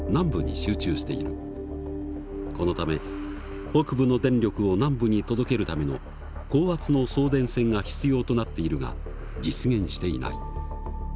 このため北部の電力を南部に届けるための高圧の送電線が必要となっているが実現していない。